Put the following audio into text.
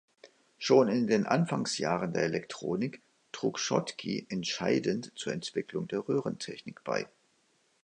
Schon in den Anfangsjahren der Elektronik trug Schottky entscheidend zur Entwicklung der Röhrentechnik bei.